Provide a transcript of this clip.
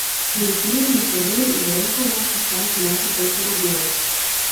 Не піў, не курыў і зрэдку мог паслаць маці колькі рублёў.